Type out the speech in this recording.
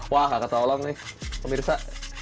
wah kakak tolong nih pemirsa